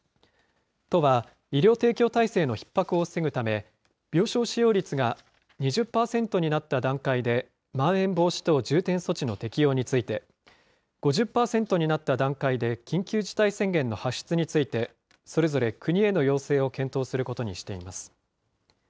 都は、医療提供体制のひっ迫を防ぐため、病床使用率が２０％になった段階で、まん延防止等重点措置の適用について、５０％になった段階で、緊急事態宣言の発出について、それぞれ国への要請を検討することにしています。